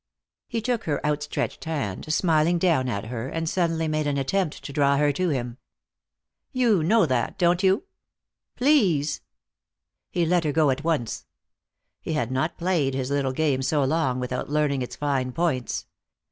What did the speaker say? He took her outstretched hand, smiling down at her, and suddenly made an attempt to draw her to him. "You know that, don't you?" "Please!" He let her go at once. He had not played his little game so long without learning its fine points.